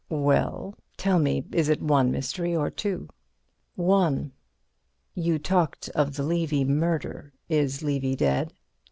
"Well, tell me—is it one mystery or two?" "One." "You talked of the Levy murder. Is Levy dead?"